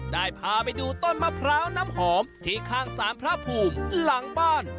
พาไปดูต้นมะพร้าวน้ำหอมที่ข้างสารพระภูมิหลังบ้าน